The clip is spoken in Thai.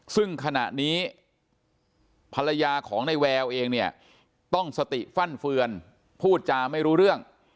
ซึ่งขณะนี้ภรรยาของในแววเองเนี่ยต้องสติฟั่นเฟือนพูดจาไม่รู้เรื่อง